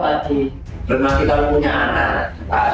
bagi berbangkit kalau punya anak